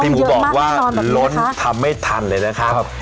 หมูบอกว่าล้นทำไม่ทันเลยนะครับ